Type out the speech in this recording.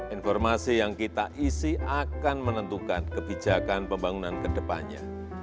informasi yang kita isi akan menentukan kebijakan pembangunan kedepannya